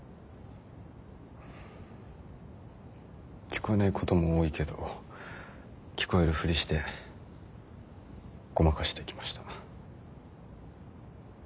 聞こえないことも多いけど聞こえるふりしてごまかしてきました。